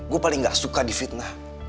gue paling gak suka difitnah